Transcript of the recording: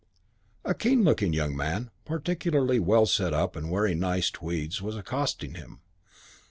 A keen looking young man, particularly well set up and wearing nice tweeds, was accosting him.